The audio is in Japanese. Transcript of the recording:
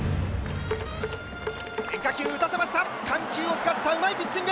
変化球打たせました緩急を使ったうまいピッチング！